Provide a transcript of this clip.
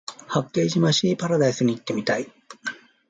八景島シーパラダイスに行ってみたい